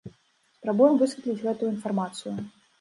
Спрабуем высветліць гэтую інфармацыю.